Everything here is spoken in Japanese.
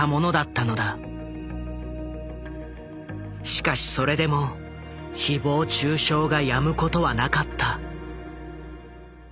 しかしそれでもひぼう中傷がやむことはなかった。